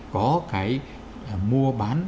có cái mua bán